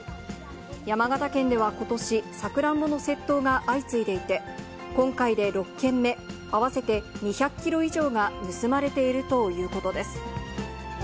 山形県ではことし、サクランボの窃盗が相次いでいて、今回で６件目、合わせて２００キロ以上が盗まれているということです。